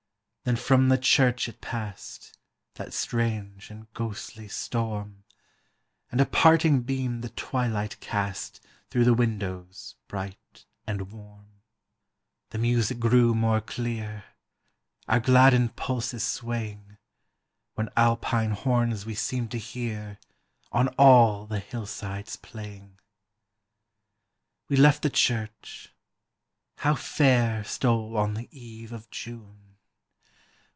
Then from the church it passed, That strange and ghostly storm, And a parting beam the twilight cast Through the windows, bright and warm. 128 IMMORTALITY. The music grew more clear, Our gladdened pulses swaying, When Alpine horns we seemed to hear On all the hillsides playing. We left the church: how fair Stole on the eve of June